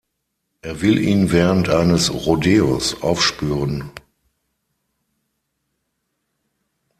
Er will ihn während eines Rodeos aufspüren.